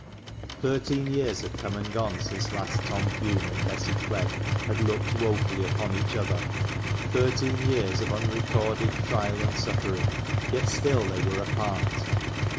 Thirteen years had come and gone since last Tom Hulme and Bessy Clegg had looked woefully upon each other — thirteen years of unrecorded trial and suffering — yet still they were apart.